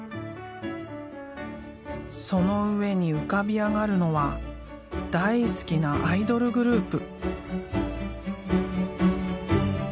その上に浮かび上がるのは大好きなアイドルグループ。